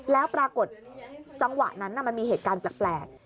แล้วปรากฏจังหวะนั้นมันมีเหตุการณ์แปลก